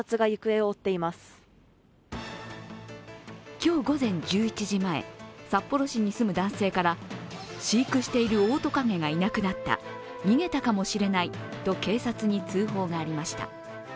今日午前１１時前、札幌市に住む男性から飼育しているオオトカゲがいなくなった、逃げたかもしれないと警察に通報がありました。